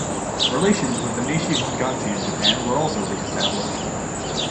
Relations with the Nishi Honganji in Japan were also reestablished.